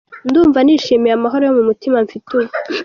Ndumva nishimiye amahoro yo mu mutima mfite ubu.